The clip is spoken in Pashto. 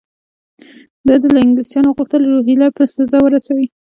ده له انګلیسیانو وغوښتل روهیله په سزا ورسوي.